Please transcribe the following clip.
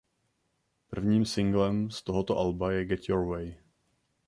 Prvním singlem z tohoto alba je „Get Your Way“.